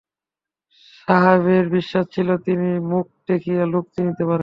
সাহেবের বিশ্বাস ছিল তিনি মুখ দেখিয়া লোক চিনিতে পারেন।